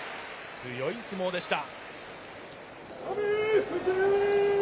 強い相撲でした。